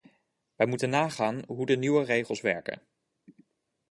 Wij moeten nagaan hoe de nieuwe regels werken.